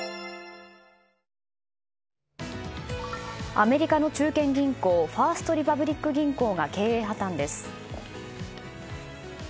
アメリカの中堅銀行ファースト・リパブリック銀行が経営破綻です。